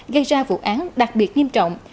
gây ra vụ án đặc biệt nghiêm trọng